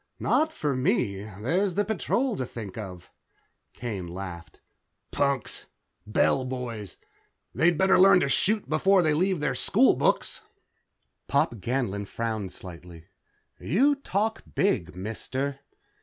"Not for me. There's the Patrol to think of." Kane laughed. "Punks. Bell boys. They'd better learn to shoot before they leave their school books." Pop Ganlon frowned slightly. "You talk big, mister."